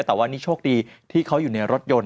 แต่ว่านี่โชคดีที่เขาอยู่ในรถยนต์